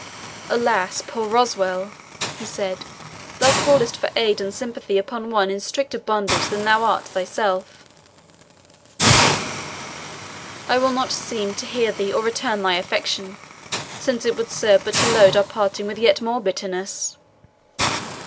"Alas! poor Roswal," he said, "thou callest for aid and sympathy upon one in stricter bondage than thou thyself art. I will not seem to heed thee or return thy affection, since it would serve but to load our parting with yet more bitterness."